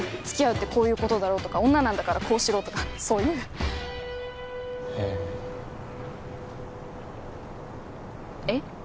付き合うってこういうことだろうとか女なんだからこうしろとかそういうへええっ？